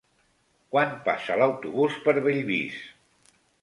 Quan passa l'autobús per Bellvís?